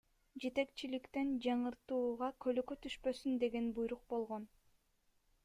Жетекчиликтен жаңыртууга көлөкө түшпөсүн деген буйрук болгон.